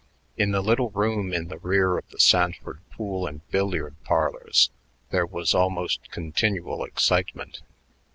In the little room in the rear of the Sanford Pool and Billiard Parlors there was almost continual excitement.